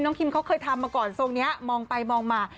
คิมเขาเคยทำมาก่อนทรงนี้มองไปมองมา